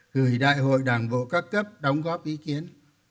gửi đại hội đảng bộ các cấp đóng góp ý kiến